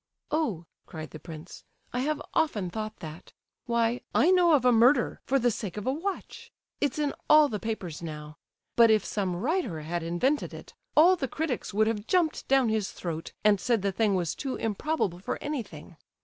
"Oh," cried the prince, "I have often thought that! Why, I know of a murder, for the sake of a watch. It's in all the papers now. But if some writer had invented it, all the critics would have jumped down his throat and said the thing was too improbable for anything.